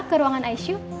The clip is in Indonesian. ke ruangan icu